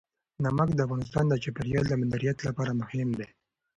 نمک د افغانستان د چاپیریال د مدیریت لپاره مهم دي.